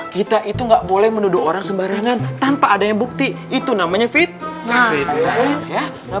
kita itu nggak boleh menuduh orang sembarangan tanpa adanya bukti itu namanya fit ya